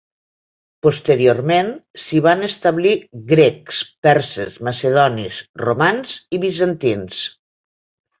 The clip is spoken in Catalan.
Posteriorment s'hi van establir grecs, perses, macedonis, romans i bizantins.